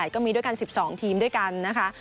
ก็มีด้วยกัน๑๒ทีมด้วยกันนะคะ